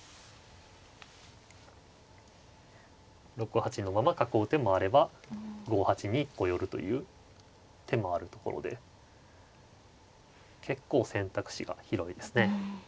６八のまま囲う手もあれば５八に寄るという手もあるところで結構選択肢が広いですね。